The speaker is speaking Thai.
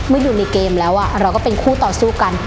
อยู่ในเกมแล้วเราก็เป็นคู่ต่อสู้กัน